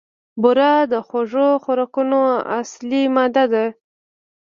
بوره د خوږو خوراکونو اصلي ماده ده.